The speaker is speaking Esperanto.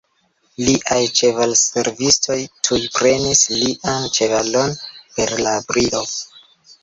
Liaj ĉevalservistoj tuj prenis lian ĉevalon per la brido.